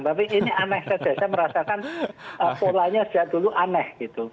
tapi ini aneh saja saya merasakan polanya sejak dulu aneh gitu